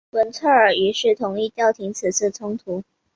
文策尔一世同意调停此次冲突。